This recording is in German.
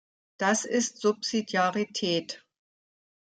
Das ist Subsidiarität.